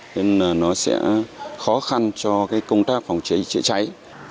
nên là nó sẽ khó khăn cho công tác phòng cháy chữa cháy